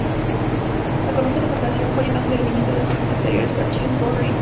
Economista de formación, fue ayudante del ministro de Asuntos Exteriores Joachim von Ribbentrop.